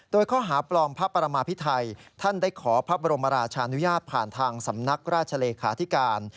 โดยข้อหาปลอมพระประมาพิไทยท่านได้ขอพระบรมราชานุญาตผ่านทางสำนักราชเลขาธิการ